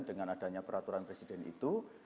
dengan adanya peraturan presiden itu